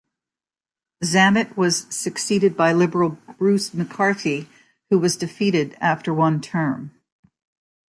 Zammit was succeeded by Liberal Bruce MacCarthy, who was defeated after one term.